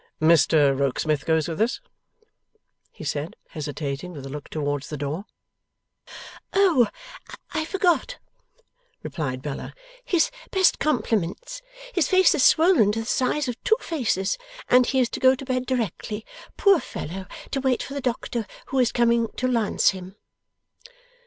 'Mr Rokesmith goes with us?' he said, hesitating, with a look towards the door. 'Oh, I forgot!' replied Bella. 'His best compliments. His face is swollen to the size of two faces, and he is to go to bed directly, poor fellow, to wait for the doctor, who is coming to lance him.